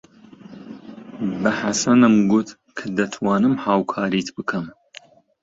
بە حەسەنم گوت کە دەتوانم هاوکاریت بکەم.